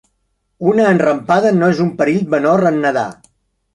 Una enrampada no és un perill menor en nedar.